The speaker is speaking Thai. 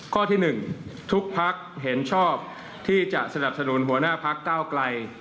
ข้อที่๑ทุกพักเห็นชอบที่จะสนับสนุนหัวหน้าพักก้าวไกล